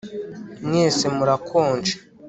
Mwese murakonje